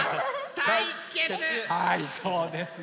はいそうですね。